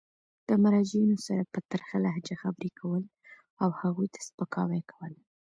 د مراجعینو سره په ترخه لهجه خبري کول او هغوی ته سپکاوی کول.